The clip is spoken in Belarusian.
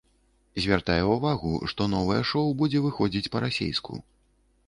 Звяртае ўвагу, што новае шоу будзе выходзіць па-расейску.